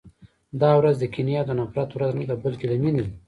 دا ورځ د کینې او د نفرت ورځ نه ده، بلکې د مینې ده.